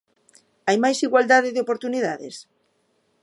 ¿Hai máis igualdade de oportunidades?